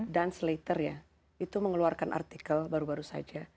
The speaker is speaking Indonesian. dan slater ya itu mengeluarkan artikel baru baru saja